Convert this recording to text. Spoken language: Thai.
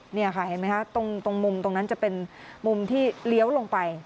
เห็นไหมคะตรงนั้นมุมจะเป็นมุมที่เลี้ยวไป